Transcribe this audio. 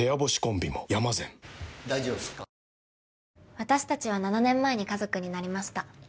私たちは７年前に家族になりました。